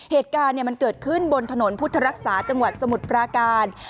เหตุการณ์มันเกิดขึ้นบนถนนพุทธรักษาจังหวัดสมุทรปราการ